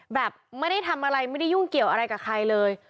แบบไม่ได้ทำอะไรไม่ได้ยุ่งเกี่ยวอะไรกับใครเลย